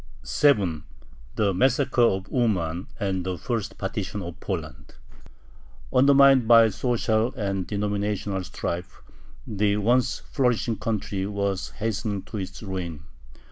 7. THE MASSACRE OF UMAN AND THE FIRST PARTITION OF POLAND Undermined by social and denominational strife, the once flourishing country was hastening to its ruin.